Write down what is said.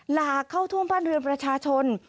หลากเข้าท่วมบ้านเรือนประชาชน